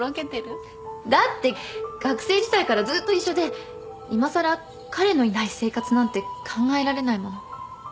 だって学生時代からずっと一緒でいまさら彼のいない生活なんて考えられないもの。